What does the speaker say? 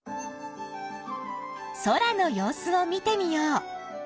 空の様子を見てみよう。